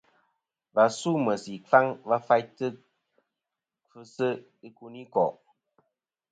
Và su meysì ɨkfaŋ va faytɨ kfɨsɨ ikunikò'.